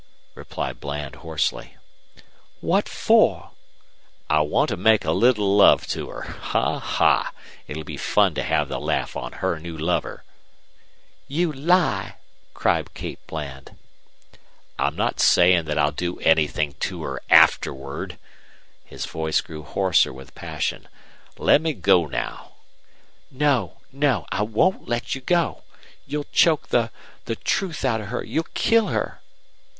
replied Bland, hoarsely. "What for?" "I want to make a little love to her. Ha! ha! It'll be fun to have the laugh on her new lover." "You lie!" cried Kate Bland. "I'm not saying what I'll do to her AFTERWARD!" His voice grew hoarser with passion. "Let me go now!" "No! no! I won't let you go. You'll choke the the truth out of her you'll kill her."